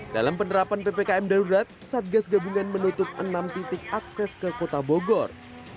dalam penerapan ppkm darurat satgas gabungan menutup enam titik akses ke kota bogor